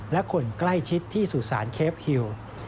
และคนใกล้ชิดที่สุสานเคฟฮิว